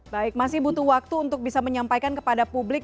baik masih butuh waktu untuk bisa menyampaikan kepada publik